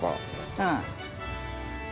うん。